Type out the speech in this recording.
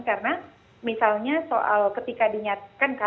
karena misalnya soal ketika dinyatakan